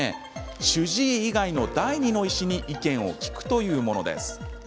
主治医以外の第２の医師に意見を聞くというものです。